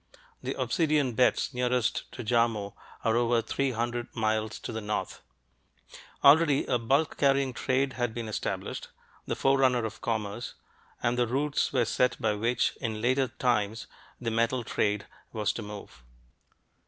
The obsidian beds nearest to Jarmo are over three hundred miles to the north. Already a bulk carrying trade had been established the forerunner of commerce and the routes were set by which, in later times, the metal trade was to move.